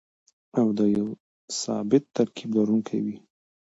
او د يو ثابت ترکيب لرونکي وي.